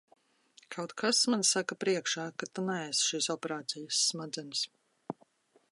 Kaut kas man saka priekšā, ka tu neesi šīs operācijas smadzenes.